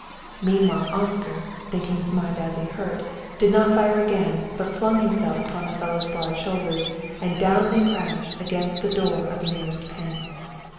Meanwhile Oscar, thinking Zmai badly hurt, did not fire again, but flung himself upon the fellow's broad shoulders and down they crashed against the door of the nearest pen.